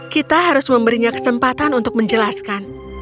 kita harus memberinya kesempatan untuk menjelaskan